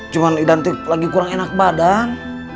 cuma idan lagi kurang enak badan